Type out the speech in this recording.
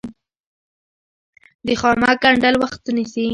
د خامک ګنډل وخت نیسي